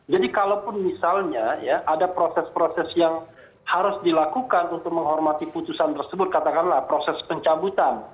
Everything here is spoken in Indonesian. jadi kalaupun misalnya ada proses proses yang harus dilakukan untuk menghormati putusan tersebut katakanlah proses pencabutan